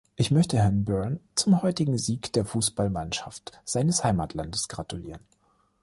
Ich möchte Herrn Byrne zum heutigen Sieg der Fußballmannschaft seines Heimatlandes gratulieren.